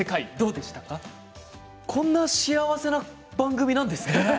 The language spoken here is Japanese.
こんな幸せな番組なんですね。